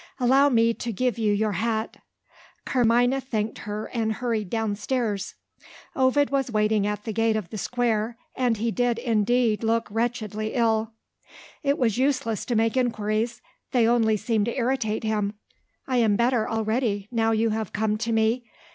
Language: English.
Allow me to give you your hat." Carmina thanked her, and hurried downstairs. Ovid was waiting at the gate of the Square and he did indeed look wretchedly ill. It was useless to make inquiries; they only seemed to irritate him. "I am better already, now you have come to me."